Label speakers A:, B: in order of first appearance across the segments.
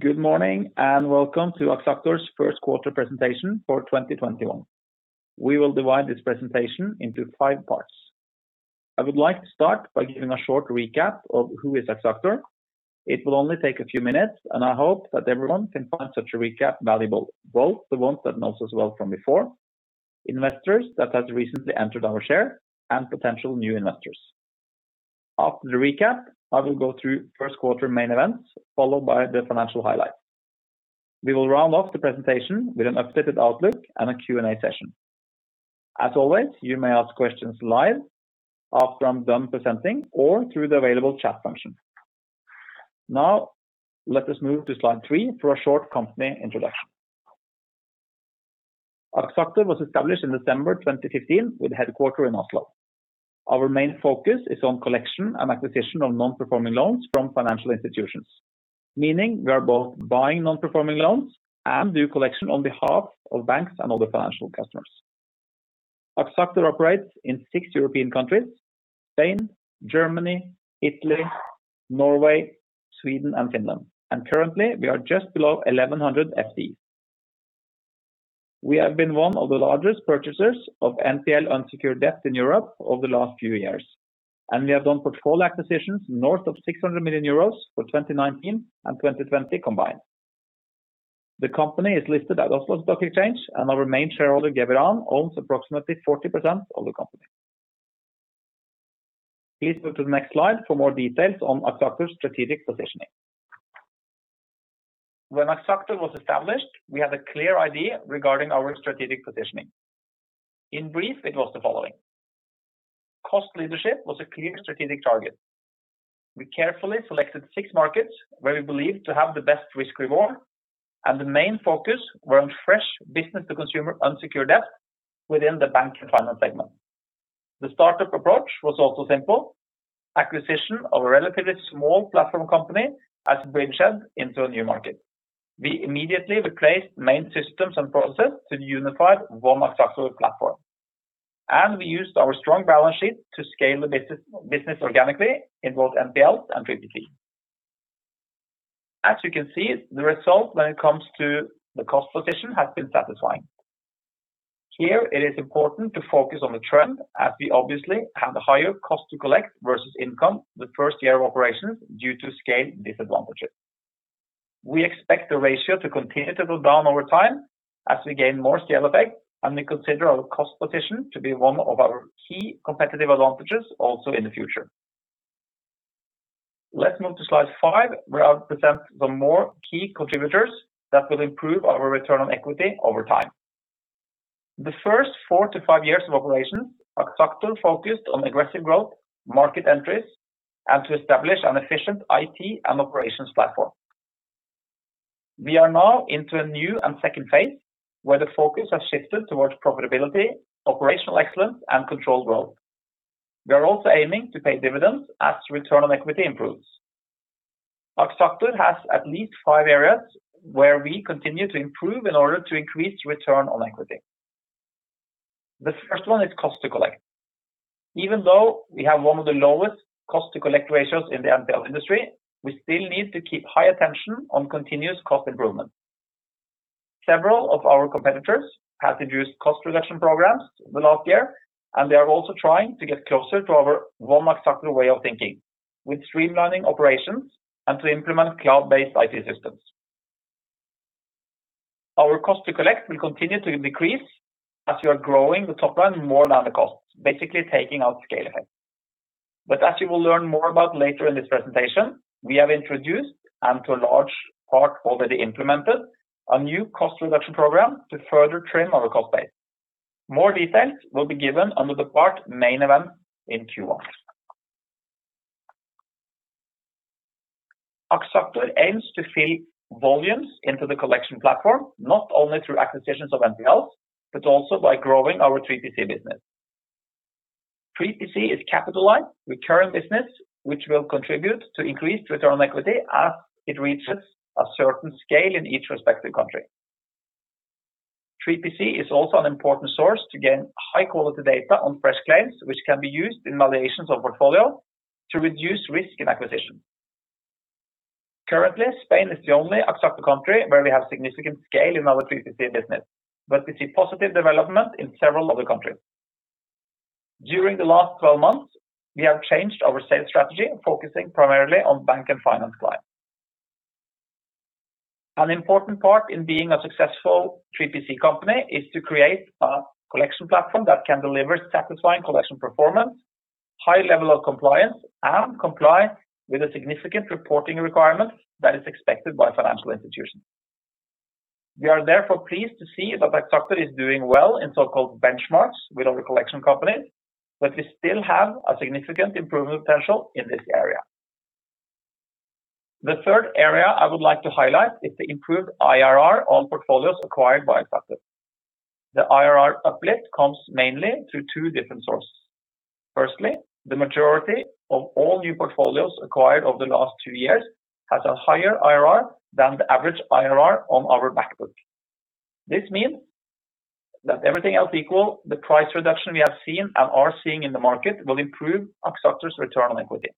A: Good morning, welcome to Axactor's first quarter presentation for 2021. We will divide this presentation into five parts. I would like to start by giving a short recap of who is Axactor. It will only take a few minutes, and I hope that everyone can find such a recap valuable, both the ones that knows us well from before, investors that has recently entered our share, and potential new investors. After the recap, I will go through first quarter main events, followed by the financial highlights. We will round off the presentation with an updated outlook and a Q&A session. As always, you may ask questions live after I'm done presenting or through the available chat function. Now, let us move to Slide three for a short company introduction. Axactor was established in December 2015 with headquarter in Oslo. Our main focus is on collection and acquisition of non-performing loans from financial institutions, meaning we are both buying non-performing loans and do collection on behalf of banks and other financial customers. Axactor operates in six European countries: Spain, Germany, Italy, Norway, Sweden, and Finland, and currently, we are just below 1,100 FTEs. We have been one of the largest purchasers of NPL unsecured debt in Europe over the last few years, and we have done portfolio acquisitions north of 600 million euros for 2019 and 2020 combined. The company is listed at Oslo Stock Exchange, and our main shareholder, Geveran, owns approximately 40% of the company. Please go to the next slide for more details on Axactor's strategic positioning. When Axactor was established, we had a clear idea regarding our strategic positioning. In brief, it was the following. Cost leadership was a clear strategic target. We carefully selected six markets where we believed to have the best risk reward, and the main focus were on fresh business to consumer unsecured debt within the bank and finance segment. The startup approach was also simple: acquisition of a relatively small platform company as a bridgehead into a new market. We immediately replaced main systems and processes to the unified One Axactor platform, and we used our strong balance sheet to scale the business organically in both NPLs and 3PC. As you can see, the result when it comes to the cost position has been satisfying. Here, it is important to focus on the trend as we obviously have a higher cost to collect versus income the first year of operations due to scale disadvantages. We expect the ratio to continue to go down over time as we gain more scale effect, and we consider our cost position to be one of our key competitive advantages also in the future. Let's move to Slide five, where I'll present some more key contributors that will improve our return on equity over time. The first four to five years of operations, Axactor focused on aggressive growth, market entries, and to establish an efficient IT and operations platform. We are now into a new and second phase where the focus has shifted towards profitability, operational excellence, and controlled growth. We are also aiming to pay dividends as return on equity improves. Axactor has at least five areas where we continue to improve in order to increase return on equity. The first one is cost to collect. Even though we have one of the lowest cost-to-collect ratios in the NPL industry, we still need to keep high attention on continuous cost improvement. They are also trying to get closer to our One Axactor way of thinking with streamlining operations and to implement cloud-based IT systems. Our cost to collect will continue to decrease as we are growing the top line more than the cost, basically taking out scale effect. As you will learn more about later in this presentation, we have introduced and to a large part already implemented a new cost reduction program to further trim our cost base. More details will be given under the part main event in Q1. Axactor aims to fill volumes into the collection platform, not only through acquisitions of NPLs, but also by growing our 3PC business. 3PC is capital-light recurring business, which will contribute to increased return on equity as it reaches a certain scale in each respective country. 3PC is also an important source to gain high-quality data on fresh claims, which can be used in valuations of portfolio to reduce risk in acquisition. Currently, Spain is the only Axactor country where we have significant scale in our 3PC business, but we see positive development in several other countries. During the last 12 months, we have changed our sales strategy, focusing primarily on bank and finance clients. An important part in being a successful 3PC company is to create a collection platform that can deliver satisfying collection performance, high level of compliance, and comply with the significant reporting requirements that is expected by financial institutions. We are therefore pleased to see that Axactor is doing well in so-called benchmarks with other collection companies. We still have a significant improvement potential in this area. The third area I would like to highlight is the improved IRR on portfolios acquired by Axactor. The IRR uplift comes mainly through two different source. Firstly, the majority of all new portfolios acquired over the last two years has a higher IRR than the average IRR on our back book. This means that everything else equal, the price reduction we have seen and are seeing in the market will improve Axactor's return on equity.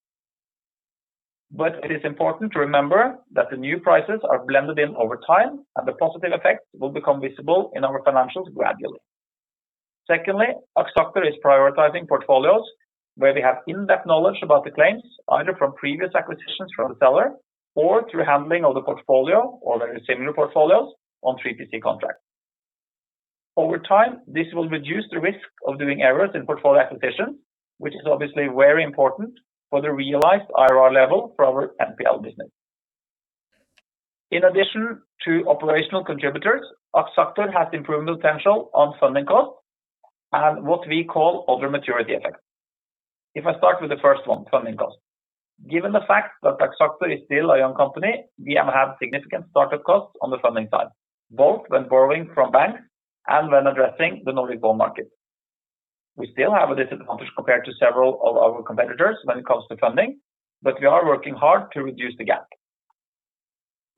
A: It is important to remember that the new prices are blended in over time, and the positive effect will become visible in our financials gradually. Secondly, Axactor is prioritizing portfolios where we have in-depth knowledge about the claims, either from previous acquisitions from the seller or through handling of the portfolio or very similar portfolios on 3PC contract. Over time, this will reduce the risk of doing errors in portfolio acquisition, which is obviously very important for the realized IRR level for our NPL business. In addition to operational contributors, Axactor has improved potential on funding costs and what we call other maturity effects. If I start with the first one, funding cost. Given the fact that Axactor is still a young company, we have had significant startup costs on the funding side, both when borrowing from banks and when addressing the Nordic bond market. We still have a disadvantage compared to several of our competitors when it comes to funding. We are working hard to reduce the gap.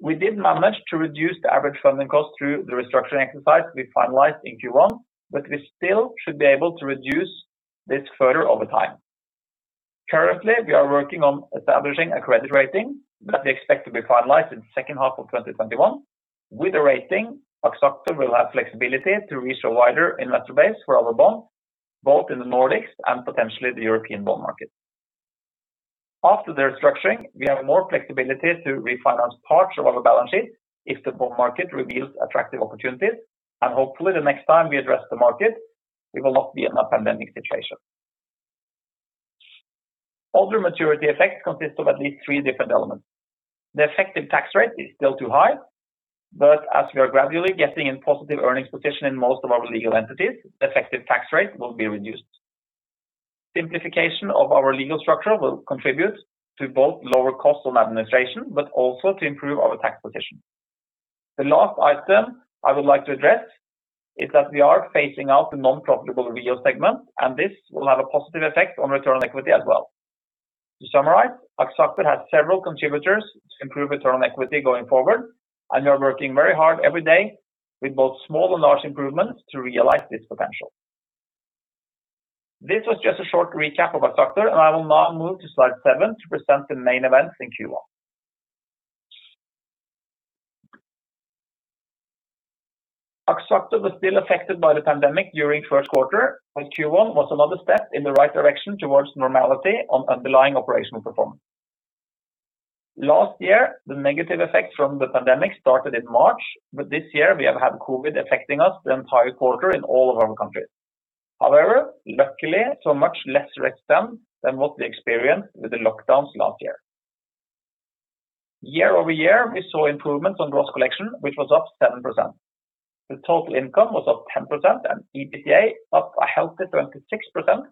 A: We did manage to reduce the average funding cost through the restructuring exercise we finalized in Q1. We still should be able to reduce this further over time. Currently, we are working on establishing a credit rating that we expect to be finalized in the second half of 2021. With the rating, Axactor will have flexibility to reach a wider investor base for our bond, both in the Nordics and potentially the European bond market. After the restructuring, we have more flexibility to refinance parts of our balance sheet if the bond market reveals attractive opportunities. Hopefully, the next time we address the market, we will not be in a pandemic situation. Other maturity effects consist of at least three different elements. The effective tax rate is still too high, but as we are gradually getting in positive earnings position in most of our legal entities, effective tax rate will be reduced. Simplification of our legal structure will contribute to both lower cost on administration, but also to improve our tax position. The last item I would like to address is that we are phasing out the non-profitable REO segment, and this will have a positive effect on return on equity as well. To summarize, Axactor has several contributors to improve return on equity going forward, and we are working very hard every day with both small and large improvements to realize this potential. This was just a short recap of Axactor, and I will now move to slide seven to present the main events in Q1. Axactor was still affected by the pandemic during the first quarter, Q1 was another step in the right direction towards normality on underlying operational performance. Last year, the negative effect from the pandemic started in March, this year we have had COVID affecting us the entire quarter in all of our countries. Luckily, so much less restrictions than what we experienced with the lockdowns last year. Year-over-year, we saw improvements on gross collection, which was up 7%. The total income was up 10% and EBITDA up a healthy 26%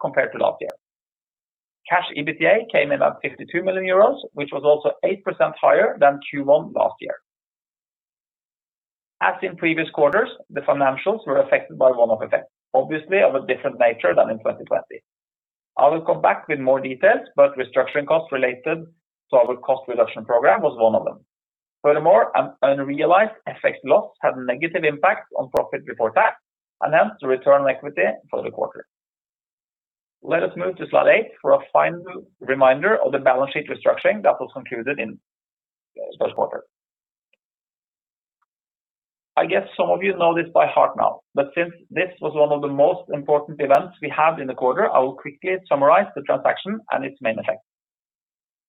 A: compared to last year. Cash EBITDA came in at 52 million euros, which was also 8% higher than Q1 last year. As in previous quarters, the financials were affected by one-off effects, obviously of a different nature than in 2020. I will come back with more details. Restructuring costs related to our cost reduction program was one of them. Furthermore, an unrealized FX loss had a negative impact on profit before tax, and hence, the return on equity for the quarter. Let us move to Slide eight for a final reminder of the balance sheet restructuring that was concluded in the first quarter. I guess some of you know this by heart now. Since this was one of the most important events we had in the quarter, I will quickly summarize the transaction and its main effect.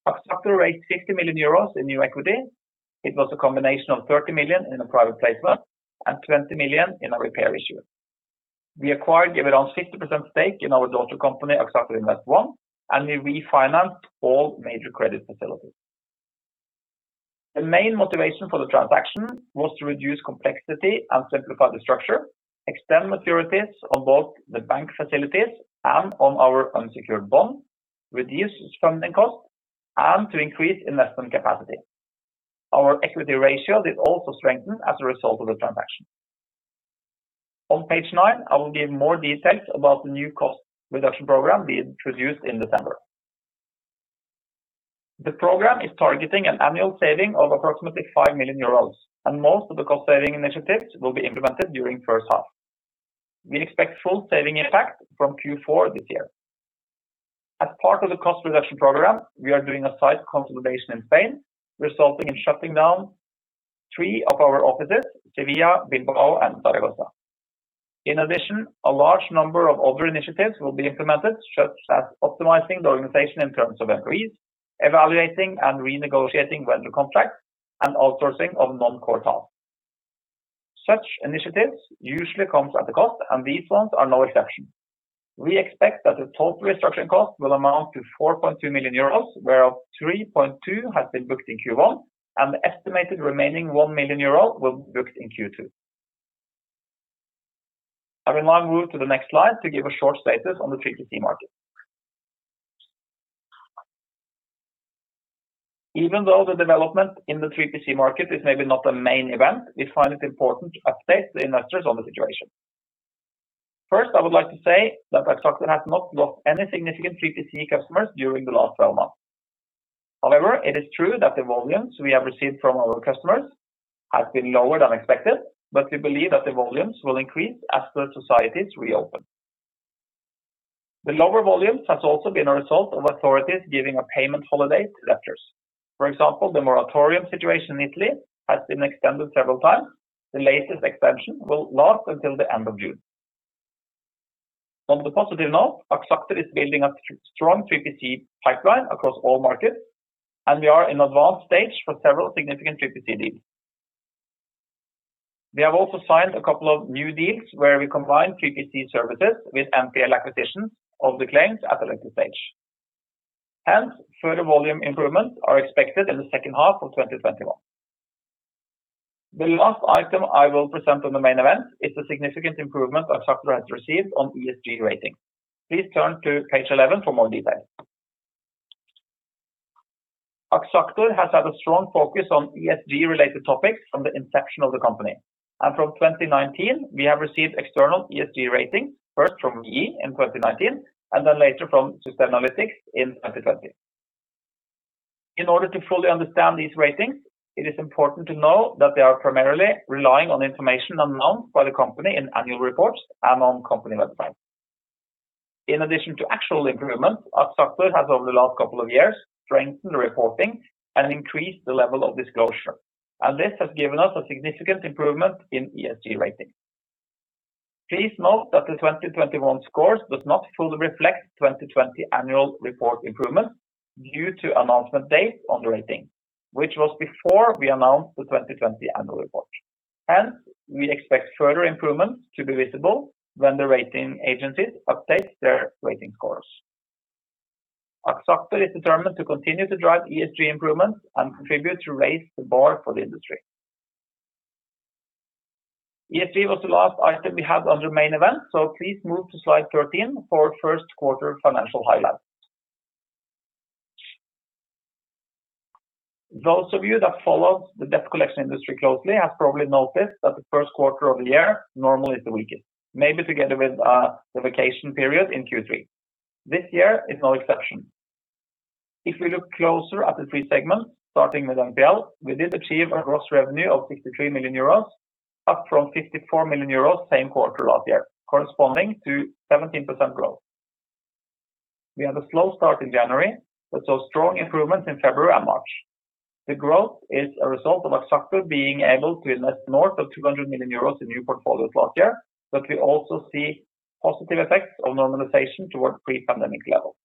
A: Axactor raised 60 million euros in new equity. It was a combination of 30 million in a private placement and 20 million in a repair issue. We acquired Evidens' 50% stake in our daughter company, Axactor Invest ONE, and we refinanced all major credit facilities. The main motivation for the transaction was to reduce complexity and simplify the structure, extend maturities on both the bank facilities and on our unsecured bond, reduce funding cost, and to increase investment capacity. Our equity ratio did also strengthen as a result of the transaction. On page nine, I will give more details about the new cost reduction program we introduced in December. The program is targeting an annual saving of approximately 5 million euros, and most of the cost-saving initiatives will be implemented during the first half. We expect full saving effect from Q4 this year. As part of the cost reduction program, we are doing a site consolidation in Spain, resulting in shutting down three of our offices, Sevilla, Bilbao, and Zaragoza. In addition, a large number of other initiatives will be implemented, such as optimizing the organization in terms of employees, evaluating and renegotiating vendor contracts, and outsourcing of non-core tasks. Such initiatives usually come at a cost, and these ones are no exception. We expect that the total restructuring cost will amount to 4.2 million euros, whereof 3.2 has been booked in Q1, and the estimated remaining 1 million euros will be booked in Q2. I will now move to the next slide to give a short status on the 3PC market. Even though the development in the 3PC market is maybe not a main event, we find it important to update the investors on the situation. First, I would like to say that Axactor has not lost any significant 3PC customers during the last 12 months. However, it is true that the volumes we have received from our customers has been lower than expected. But we believe that the volumes will increase as the societies reopen. The lower volumes has also been a result of authorities giving a payment holiday to debtors. For example, the moratorium situation in Italy has been extended several times. The latest extension will last until the end of June. On the positive note, Axactor is building a strong 3PC pipeline across all markets. And we are in advanced stage for several significant 3PC deals. We have also signed a couple of new deals where we combine 3PC services with NPL acquisitions of the claims at a later stage. Hence, further volume improvements are expected in the second half of 2021. The last item I will present on the main event is the significant improvement Axactor has received on ESG rating. Please turn to page 11 for more details. Axactor has had a strong focus on ESG related topics from the inception of the company. From 2019, we have received external ESG ratings, first from GIIN in 2019, and then later from Sustainalytics in 2020. In order to fully understand these ratings, it is important to know that they are primarily relying on information announced by the company in annual reports and on company websites. In addition to actual improvement, Axactor has over the last couple of years strengthened the reporting and increased the level of disclosure, and this has given us a significant improvement in ESG rating. Please note that the 2021 scores do not fully reflect 2020 annual report improvements due to announcement date on the rating, which was before we announced the 2020 annual report. We expect further improvements to be visible when the rating agencies update their rating scores. Axactor is determined to continue to drive ESG improvements and contribute to raise the bar for the industry. ESG was the last item we had under main event, please move to Slide 13 for first quarter financial highlights. Those of you that follow the debt collection industry closely have probably noticed that the first quarter of the year normally is the weakest, maybe together with the vacation period in Q3. This year is no exception. If we look closer at the three segments, starting with NPL, we did achieve a gross revenue of 63 million euros, up from 54 million euros same quarter last year, corresponding to 17% growth. We had a slow start in January. We saw strong improvements in February and March. The growth is a result of Axactor being able to invest more than 200 million euros in new portfolios last year. We also see positive effects of normalization towards pre-pandemic level.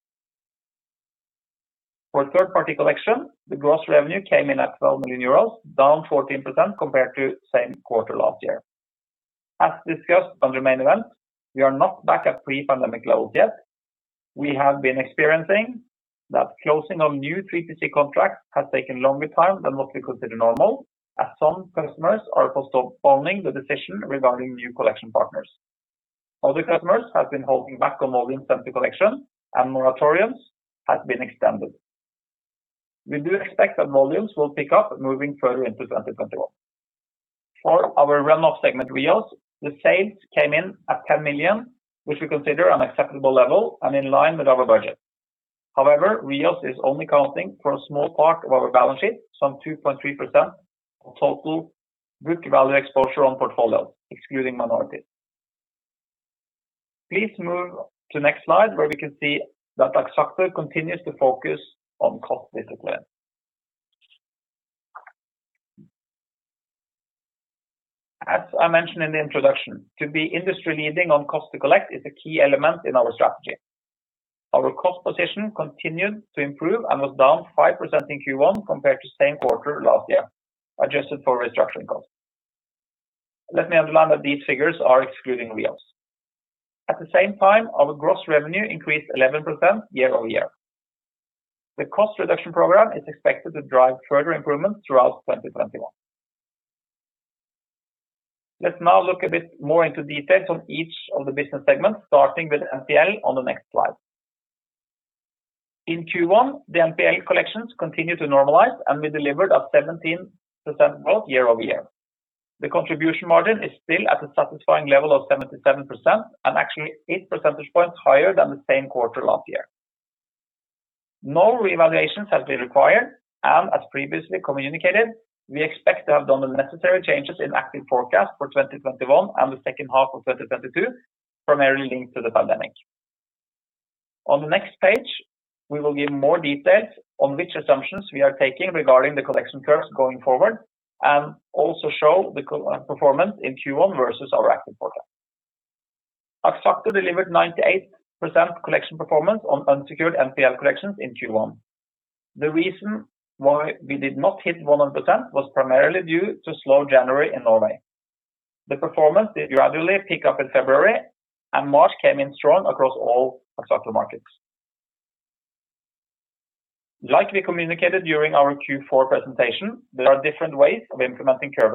A: For third-party collection, the gross revenue came in at 12 million euros, down 14% compared to same quarter last year. As discussed under main event, we are not back at pre-pandemic levels yet. We have been experiencing that closing of new 3PC contracts has taken longer time than what we consider normal, as some customers are postponing the decision regarding new collection partners. Other customers have been holding back on volumes sent to collection and moratoriums have been extended. We do expect that volumes will pick up moving further into 2021. For our runoff segment, REOs, the sales came in at 10 million, which we consider an acceptable level and in line with our budget. REOs is only accounting for a small part of our balance sheet, some 2.3% of total book value exposure on portfolios, excluding minorities. Please move to next slide where we can see that Axactor continues to focus on cost discipline. As I mentioned in the introduction, to be industry leading on cost to collect is a key element in our strategy. Our cost position continued to improve and was down 5% in Q1 compared to same quarter last year, adjusted for restructuring costs. Let me underline that these figures are excluding REOs. At the same time, our gross revenue increased 11% year-over-year. The cost reduction program is expected to drive further improvements throughout 2021. Let's now look a bit more into details on each of the business segments, starting with NPL on the next slide. In Q1, the NPL collections continued to normalize, and we delivered a 17% growth year-over-year. The contribution margin is still at a satisfying level of 77% and actually eight percentage points higher than the same quarter last year. No revaluations have been required, and as previously communicated, we expect to have done the necessary changes in Axactor forecast for 2021 and the second half of 2022, primarily linked to the pandemic. On the next page, we will give more details on which assumptions we are taking regarding the collection curves going forward and also show the performance in Q1 versus our Axactor forecast. Axactor delivered 98% collection performance on unsecured NPL collections in Q1. The reason why we did not hit 100% was primarily due to slow January in Norway. The performance did gradually pick up in February, and March came in strong across all Axactor markets. Like we communicated during our Q4 presentation, there are different ways of implementing curve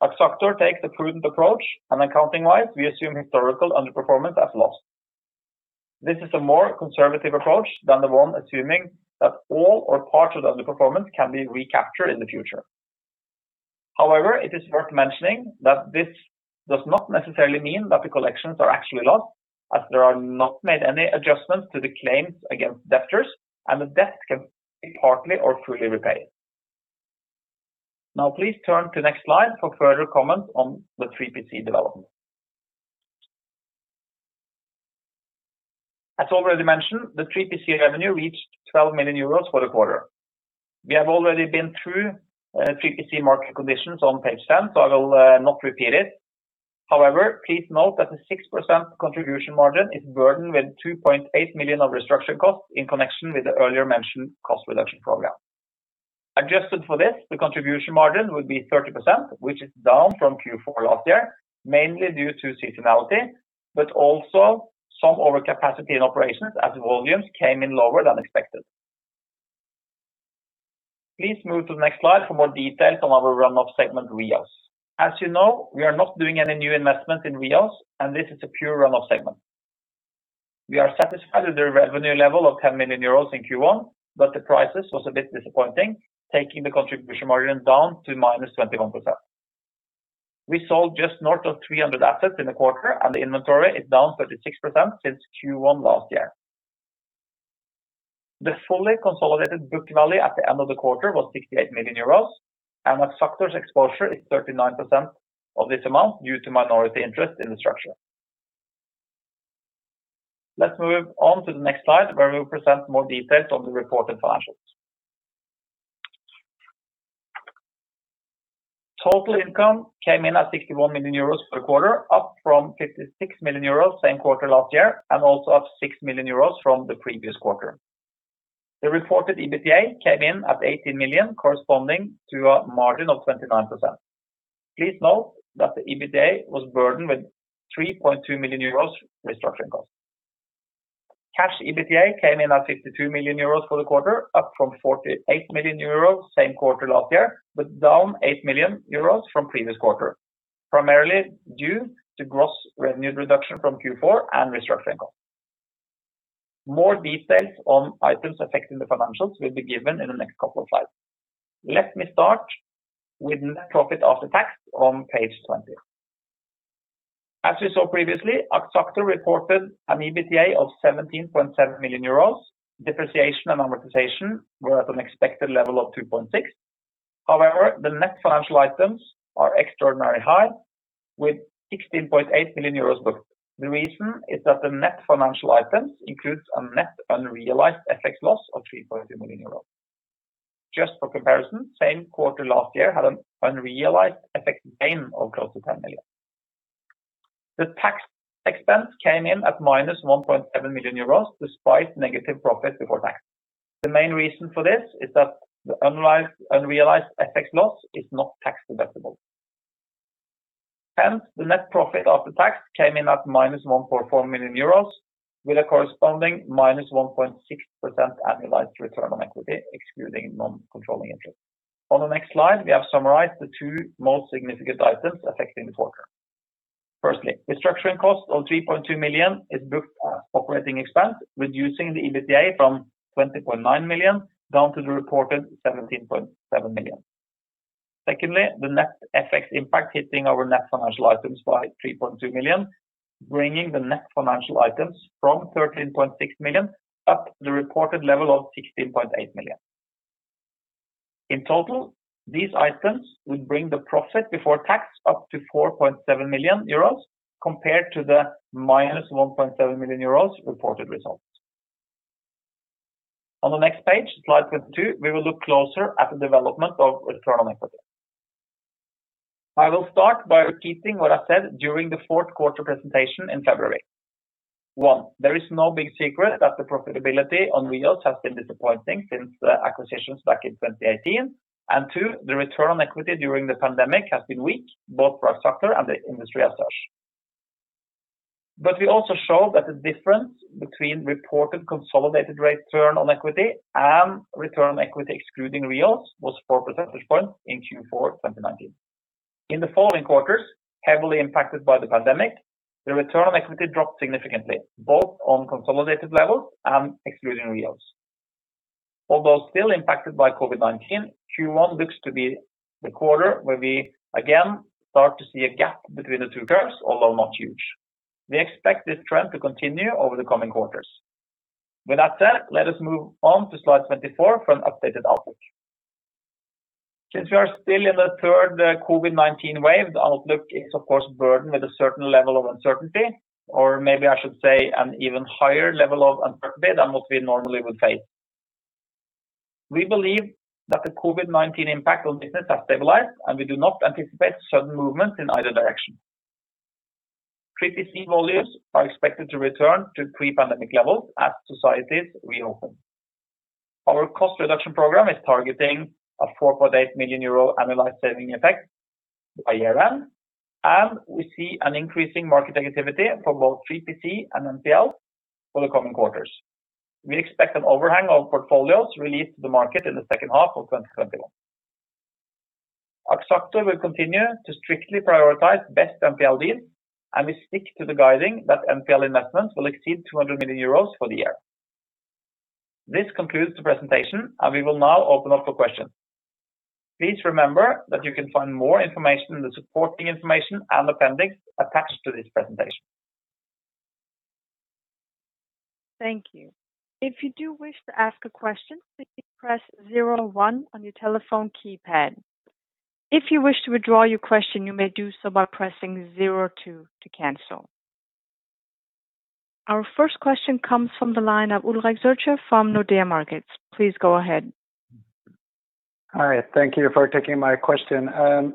A: adjustment. Axactor takes a prudent approach, and accounting-wise, we assume historical underperformance as loss. This is a more conservative approach than the one assuming that all or part of the underperformance can be recaptured in the future. However, it is worth mentioning that this does not necessarily mean that the collections are actually lost, as there are not made any adjustments to the claims against debtors, and the debt can be partly or fully repaid. Now please turn to next slide for further comment on the 3PC development. As already mentioned, the 3PC revenue reached 12 million euros for the quarter. We have already been through 3PC market conditions on page 10. I will not repeat it. However, please note that the 6% contribution margin is burdened with 2.8 million of restructuring costs in connection with the earlier mentioned cost reduction program. Adjusted for this, the contribution margin would be 30%, which is down from Q4 last year, mainly due to seasonality, also some overcapacity in operations as volumes came in lower than expected. Please move to the next slide for more details on our runoff segment, REOs. As you know, we are not doing any new investments in REOs. This is a pure runoff segment. We are satisfied with the revenue level of 10 million euros in Q1, the prices was a bit disappointing, taking the contribution margin down to -21%. We sold just north of 300 assets in the quarter, and the inventory is down 36% since Q1 last year. The fully consolidated book value at the end of the quarter was 68 million euros, and Axactor's exposure is 39% of this amount due to minority interest in the structure. Let's move on to the next slide where we will present more details on the reported financials. Total income came in at 61 million euros per quarter, up from 56 million euros same quarter last year, and also up 6 million euros from the previous quarter. The reported EBITDA came in at 18 million, corresponding to a margin of 29%. Please note that the EBITDA was burdened with 3.2 million euros restructuring costs. Cash EBITDA came in at 52 million euros for the quarter, up from 48 million euros same quarter last year, but down 8 million euros from previous quarter, primarily due to gross revenue reduction from Q4 and restructuring costs. More details on items affecting the financials will be given in the next couple of slides. Let me start with net profit after tax on page 20. As we saw previously, Axactor reported an EBITDA of 17.7 million euros. Depreciation and amortization were at an expected level of 2.6 million. However, the net financial items are extraordinarily high with 16.8 million euros booked. The reason is that the net financial items includes a net unrealized FX loss of 3.2 million euros. Just for comparison, same quarter last year had an unrealized FX gain of close to 10 million. The tax expense came in at minus 1.7 million euros despite negative profit before tax. The main reason for this is that the unrealized FX loss is not tax-deductible. The net profit after tax came in at minus 1.4 million euros, with a corresponding minus 1.6% annualized return on equity, excluding non-controlling interest. On the next slide, we have summarized the two most significant items affecting the quarter. Firstly, restructuring costs of 3.2 million is booked as operating expense, reducing the EBITDA from 20.9 million down to the reported 17.7 million. Secondly, the net FX impact hitting our net financial items by 3.2 million, bringing the net financial items from 13.6 million up the reported level of 16.8 million. In total, these items would bring the profit before tax up to 4.7 million euros compared to the minus 1.7 million euros reported results. On the next page, Slide 22, we will look closer at the development of return on equity. I will start by repeating what I said during the fourth quarter presentation in February. One, there is no big secret that the profitability on REOs has been disappointing since the acquisition back in 2018. Two, the return on equity during the pandemic has been weak, both for Axactor and the industry as such. We also show that the difference between reported consolidated return on equity and return on equity excluding REOs was four percentage points in Q4 2019. In the following quarters, heavily impacted by the pandemic, the return on equity dropped significantly, both on consolidated level and excluding REOs. Although still impacted by COVID-19, Q1 looks to be the quarter where we again start to see a gap between the two curves, although not huge. We expect this trend to continue over the coming quarters. With that said, let us move on to Slide 24 for an updated outlook. Since we are still in the third COVID-19 wave, the outlook is of course burdened with a certain level of uncertainty, or maybe I should say an even higher level of uncertainty than what we normally would face. We believe that the COVID-19 impact on business has stabilized, and we do not anticipate sudden movement in either direction. 3PC volumes are expected to return to pre-pandemic levels as societies reopen. Our cost reduction program is targeting a 4.8 million euro annualized saving effect by year end, and we see an increasing market activity for both 3PC and NPL for the coming quarters. We expect an overhang of portfolios released to the market in the second half of 2021. Axactor will continue to strictly prioritize best NPL deals, and we stick to the guiding that NPL investments will exceed 200 million euros for the year. This concludes the presentation, and we will now open up for questions. Please remember that you can find more information in the supporting information and appendix attached to this presentation.
B: Thank you. If you do wish to ask a question, please press 01 on your telephone keypad. If you wish to withdraw your question, you may do so by pressing 02 to cancel. Our first question comes from the line of Ulrik Årdal Zürcher from Nordea Markets. Please go ahead.
C: All right. Thank you for taking my question. I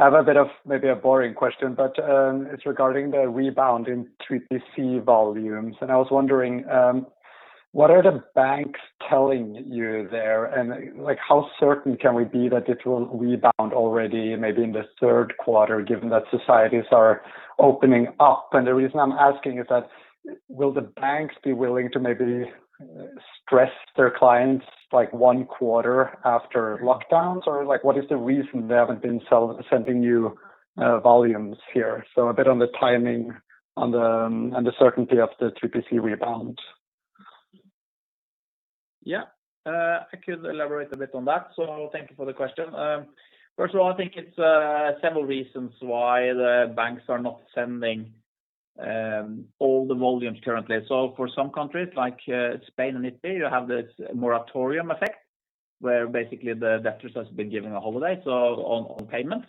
C: have a bit of maybe a boring question, but it's regarding the rebound in 3PC volumes. I was wondering, what are the banks telling you there? How certain can we be that it will rebound already maybe in the third quarter, given that societies are opening up? The reason I'm asking is that will the banks be willing to maybe stress their clients one quarter after lockdowns? What is the reason they haven't been sending you volumes here? A bit on the timing and the certainty of the 3PC rebound.
A: Yeah. I could elaborate a bit on that. Thank you for the question. First of all, I think it's several reasons why the banks are not sending all the volumes currently. For some countries, like Spain and Italy, you have this moratorium effect where basically the debtors has been given a holiday on payment.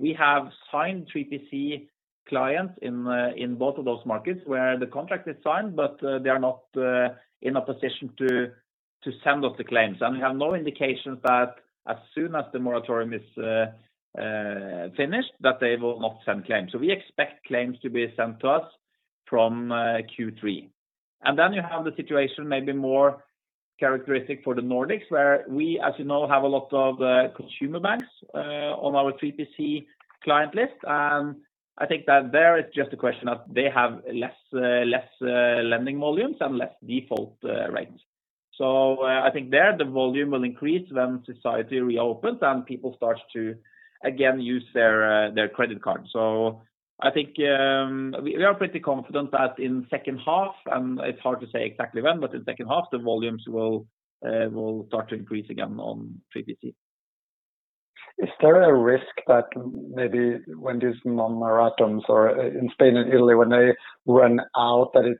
A: We have signed 3PC clients in both of those markets where the contract is signed, but they are not in a position to send us the claims. We have no indications that as soon as the moratorium is finished that they will not send claims. We expect claims to be sent to us from Q3. You have the situation maybe more characteristic for the Nordics, where we, as you know, have a lot of consumer banks on our 3PC client list. I think that there it's just a question that they have less lending volumes and less default rates. I think there the volume will increase when society reopens and people start to, again, use their credit card. I think we are pretty confident that in second half, and it's hard to say exactly when, but in the second half, the volumes will start to increase again on 3PC.
C: Is there a risk that maybe when these moratoriums in Spain and Italy, when they run out, that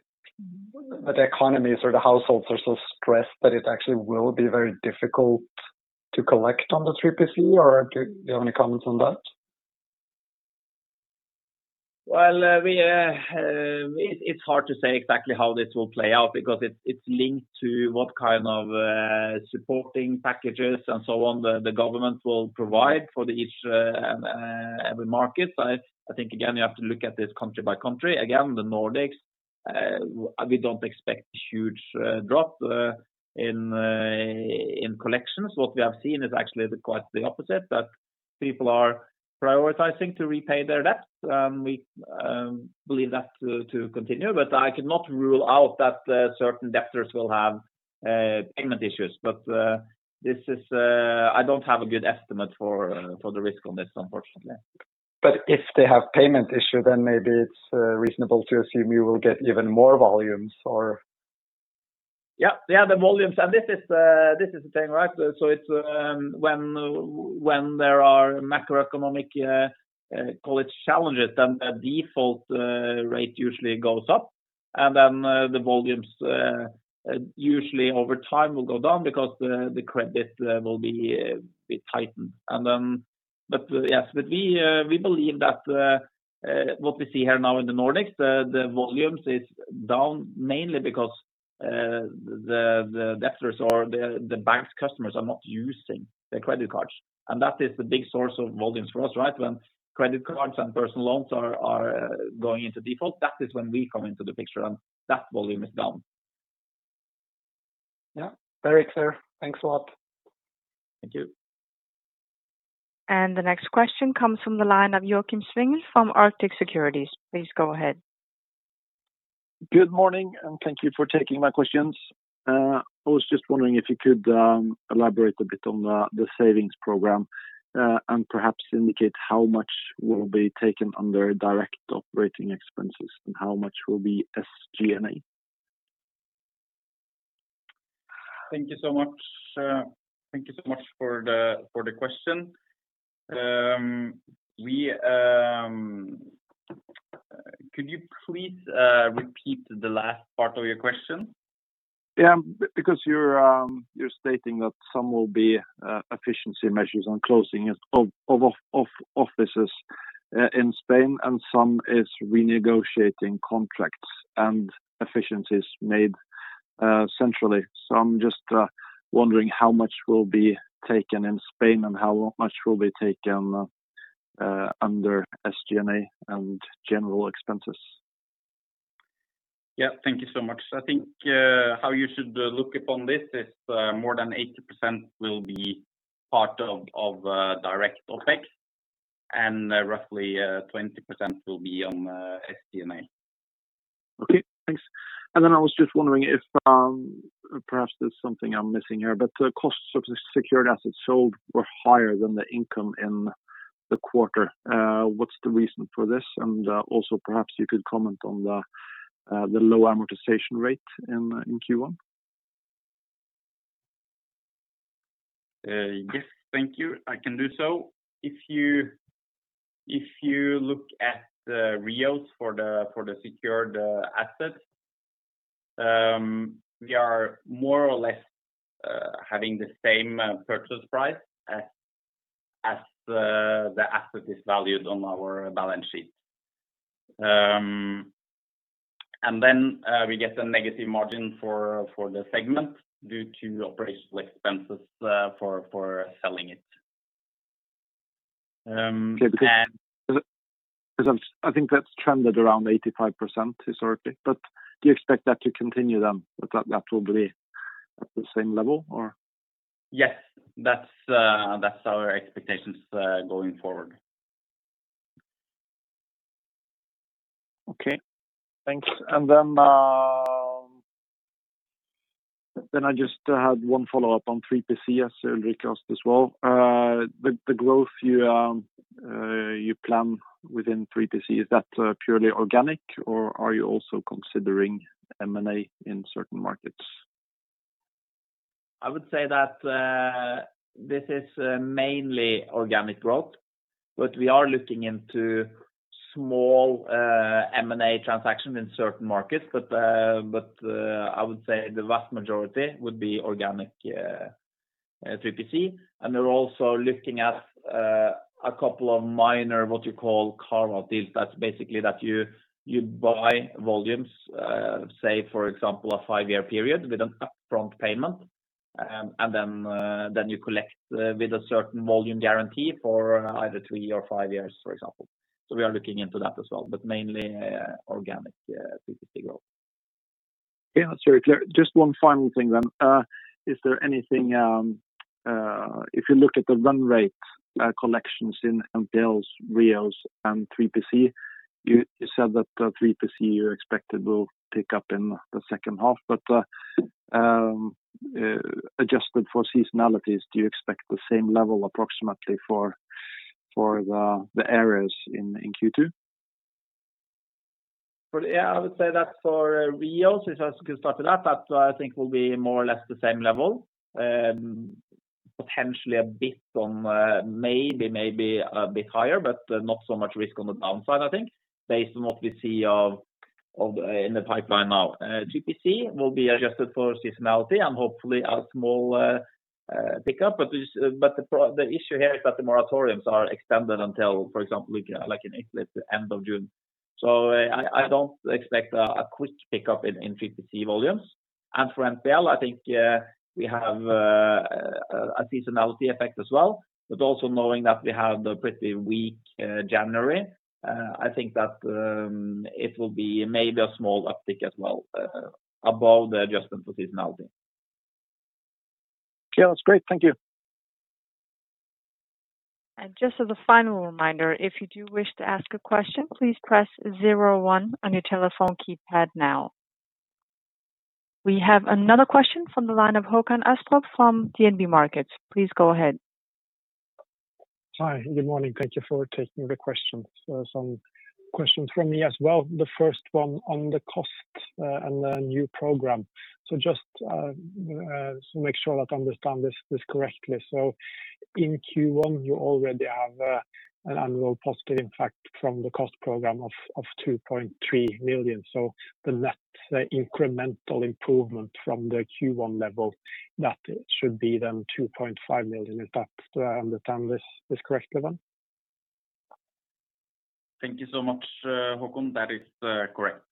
C: the economies or the households are so stressed that it actually will be very difficult to collect on the 3PC, or do you have any comments on that?
A: It's hard to say exactly how this will play out because it's linked to what kind of supporting packages and so on the government will provide for every market. I think, again, you have to look at this country by country. Again, the Nordics, we don't expect a huge drop in collections. What we have seen is actually quite the opposite, that people are prioritizing to repay their debts. We believe that to continue, but I cannot rule out that certain debtors will have payment issues. I don't have a good estimate for the risk on this, unfortunately.
C: If they have payment issue, then maybe it's reasonable to assume you will get even more volumes.
A: Yeah, the volumes. This is the thing. When there are macroeconomic challenges, then the default rate usually goes up, and then the volumes usually over time will go down because the credit will be tightened. Yes, we believe that what we see here now in the Nordics, the volumes is down mainly because the debtors or the bank's customers are not using their credit cards. That is the big source of volumes for us. When credit cards and personal loans are going into default, that is when we come into the picture and that volume is down.
C: Yeah. Very clear. Thanks a lot.
A: Thank you.
B: The next question comes from the line of Joakim Svingen from Arctic Securities. Please go ahead.
D: Good morning, and thank you for taking my questions. I was just wondering if you could elaborate a bit on the savings program, and perhaps indicate how much will be taken under direct operating expenses and how much will be SG&A.
A: Thank you so much for the question. Could you please repeat the last part of your question?
D: Because you're stating that some will be efficiency measures on closing of offices in Spain and some is renegotiating contracts and efficiencies made centrally. I'm just wondering how much will be taken in Spain and how much will be taken under SG&A and general expenses.
A: Yeah. Thank you so much. I think how you should look upon this is more than 80% will be part of direct Opex and roughly 20% will be on SG&A.
D: Okay, thanks. I was just wondering if perhaps there's something I'm missing here, but the costs of the secured assets sold were higher than the income in the quarter. What's the reason for this? Perhaps you could comment on the low amortization rate in Q1.
A: Yes. Thank you. I can do so. If you look at the REOs for the secured assets, we are more or less having the same purchase price as the asset is valued on our balance sheet. Then we get a negative margin for the segment due to operational expenses for selling it.
D: Okay. I think that's trended around 85% historically, but do you expect that to continue then? That will be at the same level or?
A: Yes. That's our expectations going forward.
D: Okay, thanks. I just had one follow-up on 3PC as Ulrik asked as well. The growth you plan within 3PC, is that purely organic or are you also considering M&A in certain markets?
A: I would say that this is mainly organic growth, but we are looking into small M&A transactions in certain markets. I would say the vast majority would be organic 3PC. We're also looking at a couple of minor, what you call carve-out deals. That's basically that you buy volumes, say for example a five-year period with an upfront payment and then you collect with a certain volume guarantee for either three or five years, for example. We are looking into that as well. Mainly organic 3PC growth.
D: Yeah. It's very clear. Just one final thing. If you look at the run rate collections in NPLs, REOs and 3PC, you said that 3PC you expected will pick up in the second half, but adjusted for seasonalities, do you expect the same level approximately for the areas in Q2?
A: Yeah. I would say that for REOs, if I could start with that I think will be more or less the same level. Potentially maybe a bit higher, but not so much risk on the downside, I think, based on what we see in the pipeline now. 3PC will be adjusted for seasonality and hopefully a small pick-up, the issue here is that the moratoriums are extended until, for example, like in Italy, end of June. I don't expect a quick pick-up in 3PC volumes. For NPL, I think we have a seasonality effect as well. Also knowing that we had a pretty weak January, I think that it will be maybe a small uptick as well above the adjustment for seasonality.
D: Yeah. That's great. Thank you.
B: Just as a final reminder, if you do wish to ask a question, please press zero one on your telephone keypad now. We have another question from the line of Håkon Astrup from DNB Markets. Please go ahead.
E: Hi. Good morning. Thank you for taking the questions. Some questions from me as well. The first one on the cost and the new program. Just to make sure that I understand this correctly. In Q1, you already have an annual positive impact from the cost program of 2.3 million. The net incremental improvement from the Q1 level, that should be then 2.5 million, if I understand this correctly then?
A: Thank you so much, Håkon. That is correct.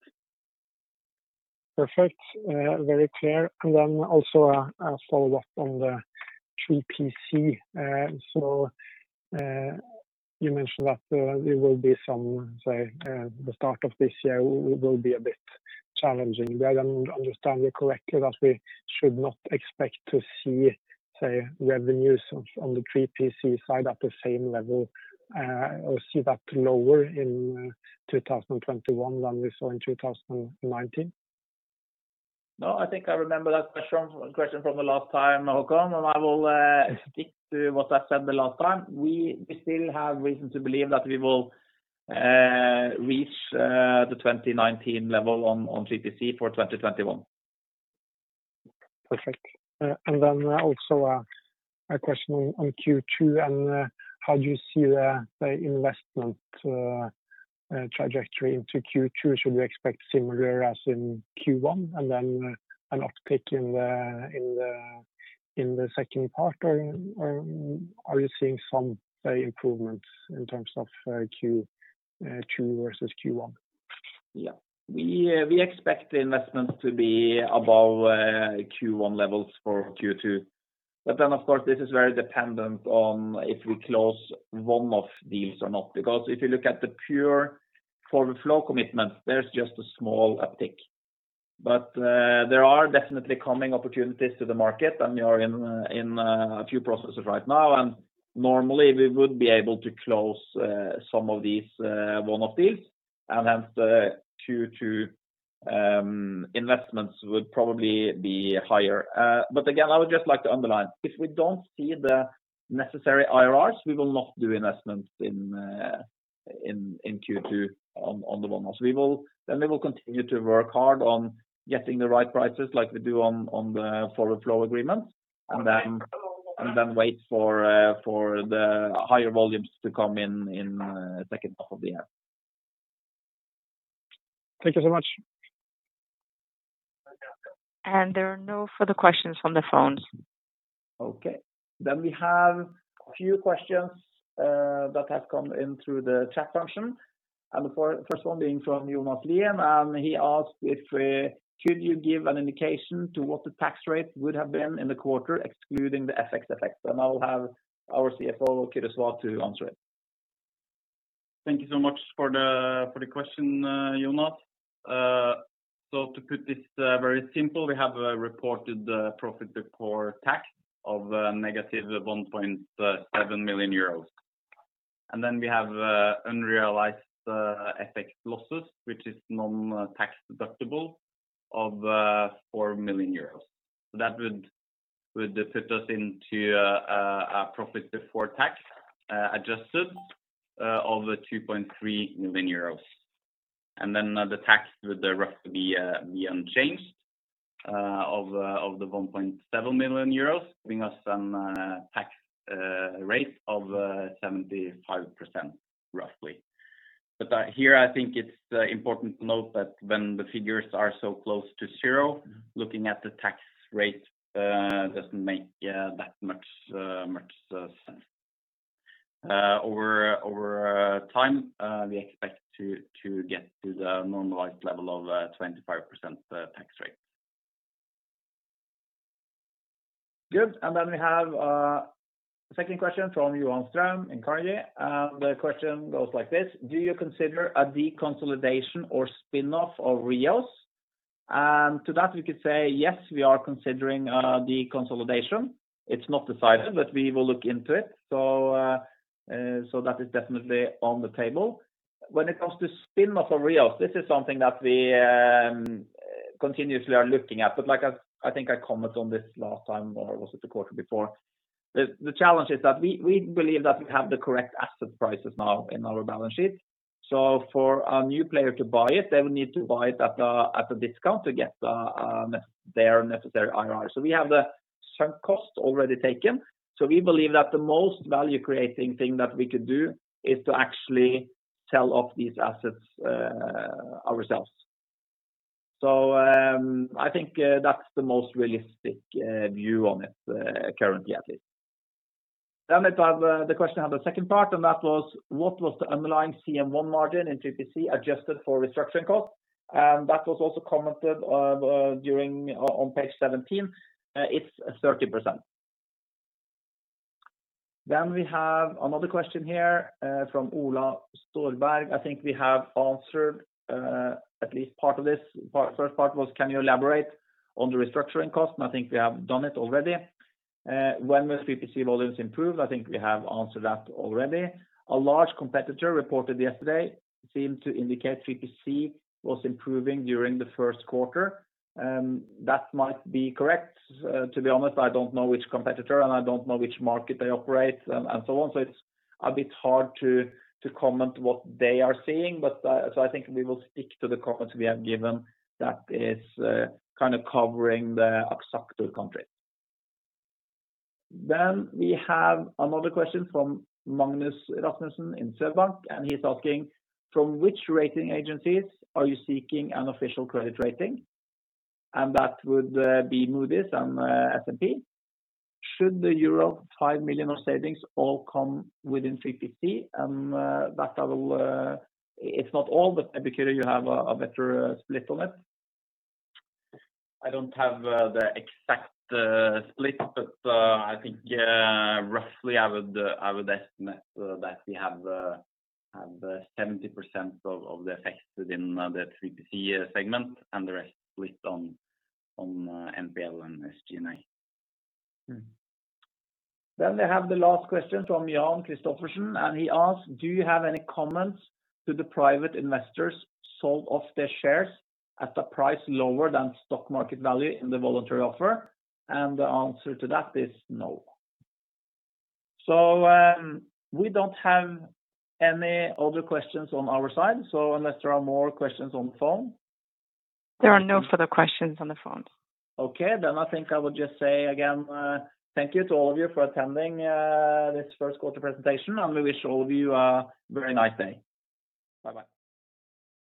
E: Perfect. Very clear. Also a follow-up on the 3PC. You mentioned that the start of this year will be a bit challenging. Did I understand you correctly that we should not expect to see, say, revenues on the 3PC side at the same level or see that lower in 2021 than we saw in 2019?
A: No, I think I remember that question from the last time, Håkon, and I will stick to what I said the last time. We still have reason to believe that we will reach the 2019 level on 3PC for 2021.
E: Perfect. Also a question on Q2 and how do you see the investment trajectory into Q2? Should we expect similar as in Q1 and then an uptick in the second part? Are you seeing some, say, improvements in terms of Q2 versus Q1?
A: We expect the investments to be above Q1 levels for Q2. Of course, this is very dependent on if we close one-off deals or not. If you look at the pure forward flow commitment, there's just a small uptick. There are definitely coming opportunities to the market, and we are in a few processes right now, and normally we would be able to close some of these one-off deals, hence Q2 investments would probably be higher. Again, I would just like to underline, if we don't see the necessary IRRs, we will not do investments in Q2 on the one hand. We will continue to work hard on getting the right prices like we do on the forward flow agreements, wait for the higher volumes to come in the second half of the year.
E: Thank you so much.
B: There are no further questions from the phones.
A: Okay. We have a few questions that have come in through the chat function. The first one being from Jonas Lien, and he asked, "Could you give an indication to what the tax rate would have been in the quarter excluding the FX effects?" I will have our CFO, Kjetil Kvalvik, to answer it.
F: Thank you so much for the question, Jonas. To put this very simple, we have a reported profit before tax of negative 1.7 million euros. We have unrealized FX losses, which is non-tax deductible, of 3.2 million euros. That would put us into a profit before tax adjusted of 2.3 million euros. The tax would roughly be unchanged of the 1.7 million euros, giving us some tax rate of 75% roughly. Here, I think it's important to note that when the figures are so close to zero, looking at the tax rate doesn't make that much sense. Over time, we expect to get to the normalized level of 25% tax rate.
A: Good. We have a second question from Johan Ström in Carnegie, and the question goes like this: "Do you consider a deconsolidation or spin-off of REOs?" To that we could say yes, we are considering a deconsolidation. It is not decided, but we will look into it. That is definitely on the table. When it comes to spin-off of REOs, this is something that we continuously are looking at, but I think I commented on this last time, or was it the quarter before? The challenge is that we believe that we have the correct asset prices now in our balance sheet. For a new player to buy it, they will need to buy it at a discount to get their necessary IRR. We have the sunk cost already taken. We believe that the most value-creating thing that we could do is to actually sell off these assets ourselves. I think that's the most realistic view on it, currently at least. The question had a second part and that was, "What was the underlying CM1 margin in 3PC adjusted for restructuring costs?" That was also commented on page 17. It's 30%. We have another question here from Ola Storberg. I think we have answered at least part of this. First part was, "Can you elaborate on the restructuring cost?" I think we have done it already. "When will 3PC volumes improve?" I think we have answered that already. "A large competitor reported yesterday seemed to indicate 3PC was improving during the first quarter." That might be correct. To be honest, I don't know which competitor, and I don't know which market they operate and so on. It's a bit hard to comment what they are seeing, so I think we will stick to the comments we have given that is kind of covering the Axactor countries. We have another question from Magnus Rasmussen in Swedbank, and he's asking, "From which rating agencies are you seeking an official credit rating?" That would be Moody's and S&P. "Should the euro 5 million of savings all come within 3PC?" It's not all, but maybe, Kjetil, you have a better split on it.
F: I don't have the exact split, but I think roughly I would estimate that we have the 70% of the effects within the 3PC segment and the rest split on NPL and SG&A.
A: We have the last question from Jan Erik Christophersen. He asks, "Do you have any comments to the private investors sold off their shares at a price lower than stock market value in the voluntary offer?" And the answer to that is no. We don't have any other questions on our side. Unless there are more questions on the phone.
B: There are no further questions on the phone.
A: Okay. I think I would just say again, thank you to all of you for attending this first quarter presentation, and we wish all of you a very nice day. Bye-bye.